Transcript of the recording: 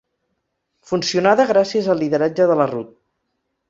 Funcionada gràcies al lideratge de la Rut.